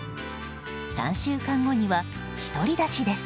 ３週間後には独り立ちです。